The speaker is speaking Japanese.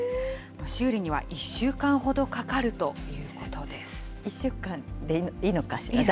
修理には１週間ほどかかるという１週間でいいのかしら。